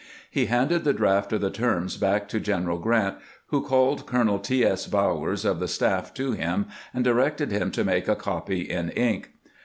He handed the draft of the terms back to General Grant, who called Colonel T. S. Bowers of the staff to him, and directed him to make a copy in ink.